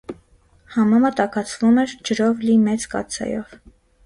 Համամը տաքացվում էր ջրով լի մեծ կաթսայով։